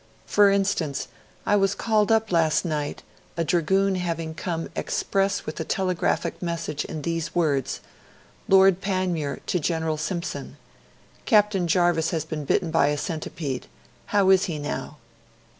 For instance, I was called up last night, a dragoon having come express with a telegraphic message in these words, "Lord Panmure to General Simpson Captain Jarvis has been bitten by a centipede. How is he now?"'